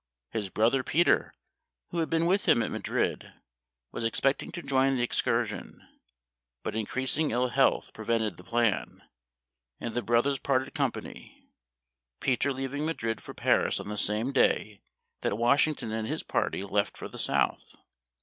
His brother Peter, who had been with him at Madrid, was expecting to join the excursion, but increasing ill health prevented the plan, and the brothers parted company — Peter leaving Madrid for Paris on the same day that Washington and his party left for the south.